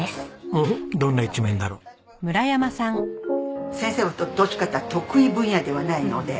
どんな一面だろう？先生はどっちかというと得意分野ではないので。